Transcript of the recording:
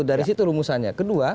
dari situ rumusannya